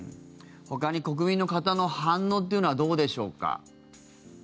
ほかに国民の方の反応というのはどうでしょうか。